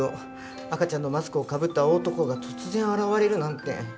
赤ちゃんのマスクをかぶった大男が突然現れるなんて。